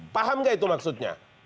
paham gak itu maksudnya